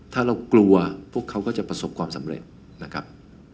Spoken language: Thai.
ถ้าเรากลัวพวกเขาก็จะประสบความสำเร็จนะครับ